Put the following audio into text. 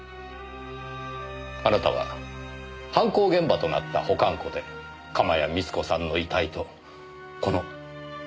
あなたは犯行現場となった保管庫で鎌谷充子さんの遺体とこのミュートを見つけた。